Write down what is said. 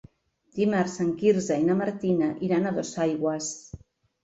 Dimarts en Quirze i na Martina iran a Dosaigües.